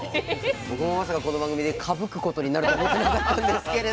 僕もまさかこの番組でかぶくことになると思ってなかったんですけれども。